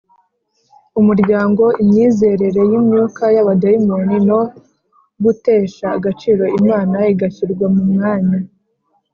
umuryango imyizerere y’imyuka y’abadayimoni no gutesha agaciro imana igashyirwa mu mwanya